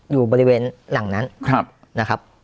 อยู่บริเวณหลังนั้นนะครับ